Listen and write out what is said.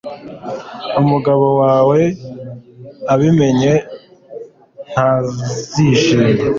Umugabo wawe abimenye ntazishima